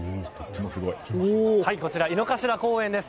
こちら、井の頭公園です。